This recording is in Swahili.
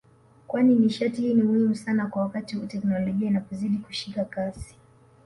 kwani nishati hii ni muhimu sana kwa wakati huu teknolojia inapozidi kushika kasi